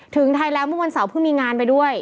ถึงไทยแล้วเมื่อวันเสาร์เพิ่งมีงานไปด้วย